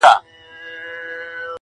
چي ستا له سونډو نه خندا وړي څوك.